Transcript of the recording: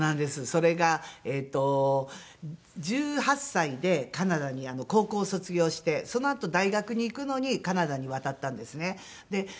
それがえっと１８歳でカナダに高校を卒業してそのあと大学に行くのにカナダに渡ったんですね。